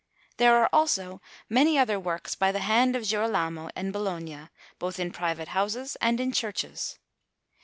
There are also many other works by the hand of Girolamo in Bologna, both in private houses and in the churches.